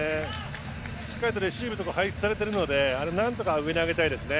しっかりレシーブとか配置されているのでなんとか上に上げたいですね。